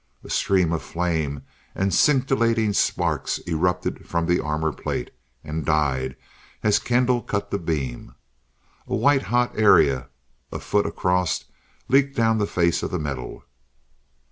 A stream of flame and scintillating sparks erupted from the armor plate and died as Kendall cut the beam. A white hot area a foot across leaked down the face of the metal.